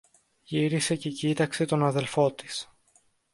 Γύρισε και κοίταξε τον αδελφό της.